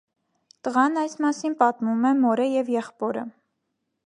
Տղան այս մասին պատմում է մորը և եղբորը։